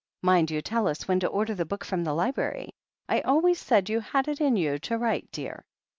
Mind you tell us when to order the book from the library. I always said you had it in you to write, dear."